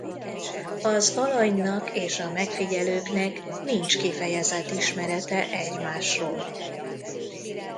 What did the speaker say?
Az alanynak és a megfigyelőknek nincs kifejezett ismerete egymásról.